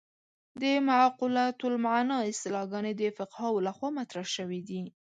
د معقولة المعنی اصطلاحګانې د فقهاوو له خوا مطرح شوې دي.